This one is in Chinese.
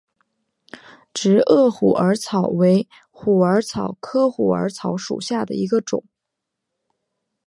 直萼虎耳草为虎耳草科虎耳草属下的一个种。